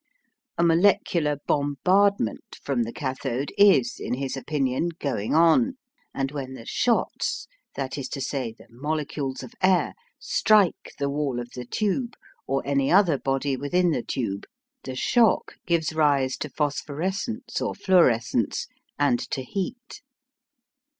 A molecular bombardment from the cathode is, in his opinion, going on, and when the shots, that is to say, the molecules of air, strike the wall of the tube, or any other body within the tube, the shock gives rise to phosphorescence or fluorescence and to heat.